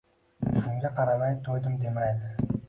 Shunga qaramay, to’ydim demaydi.